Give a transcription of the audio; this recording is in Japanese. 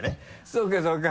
そうかそうか。